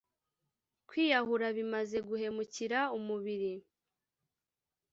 kwiyahura bimaze guhemukira umubiri.